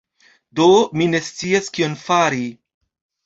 Do, mi ne scias kion fari...